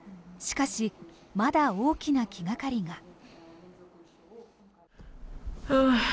しかしまだ大きな気掛かりが。